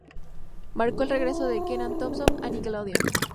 Marcó el regreso de Kenan Thompson a Nickelodeon.